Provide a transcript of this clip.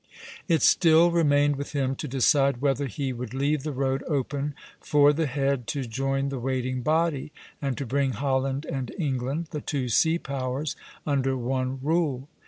It still remained with him to decide whether he would leave the road open for the head to join the waiting body, and to bring Holland and England, the two sea powers, under one rule.